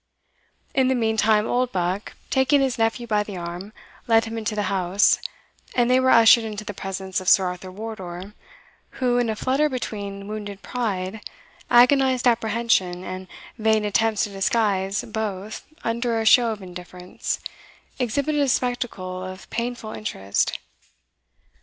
In the meantime, Oldbuck, taking his nephew by the arm, led him into the house, and they were ushered into the presence of Sir Arthur Wardour, who, in a flutter between wounded pride, agonized apprehension, and vain attempts to disguise both under a show of indifference, exhibited a spectacle of painful interest.